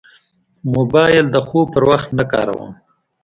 موبایل د خوب پر وخت نه کاروم.